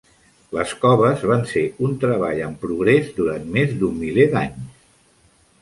Les coves van ser un treball en progrés durant més d'un miler d'anys.